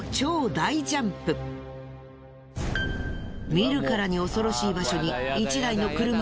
見るからに恐ろしい場所に１台の車。